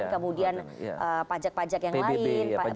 kemudian pajak pajak yang lain